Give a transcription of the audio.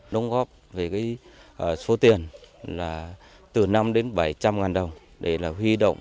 đồng góp về số tiền là từ năm đến bảy trăm linh ngàn đồng để huy động